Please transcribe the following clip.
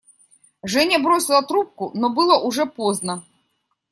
Женя бросила трубку, но было уже поздно.